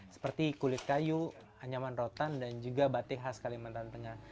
seperti kulit kayu anyaman rotan dan juga batik khas kalimantan tengah